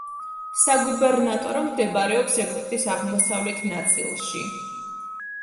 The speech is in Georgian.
საგუბერნატორო მდებარეობს ეგვიპტის აღმოსავლეთ ნაწილში.